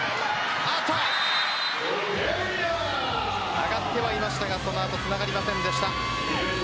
上がってはいましたがその後、つながりませんでした。